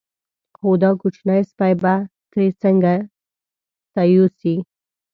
خو دا کوچنی سپی به ترې څنګه ته یوسې.